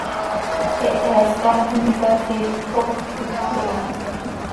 Hehe hascám tintica iixöt cop cöquit iha.